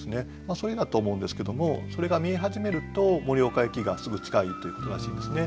それだと思うんですけどもそれが見え始めると盛岡駅がすぐ近いということらしいんですね。